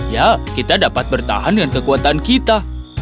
ya kita dapat bertahan dengan kekuatan kita